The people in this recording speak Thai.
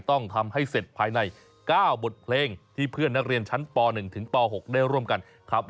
ต้องทำให้เสร็จภายใน๙บทเพลงที่เพื่อนนักเรียนชั้นป๑ถึงป๖ได้ร่วมกันครับ